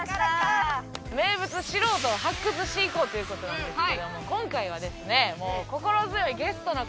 名物素人を発掘していこうという事なんですけども今回はですね。